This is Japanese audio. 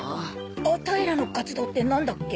アタイらの活動ってなんだっけ？